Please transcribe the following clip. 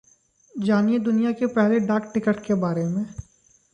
जानिए दुनिया के पहले डाक टिकट के बारे में